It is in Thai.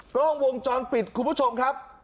กล้องวงจรปิดคุณผู้ชมครับ